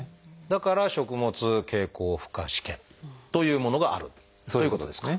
だから食物経口負荷試験というものがあるということですか？